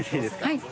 はい。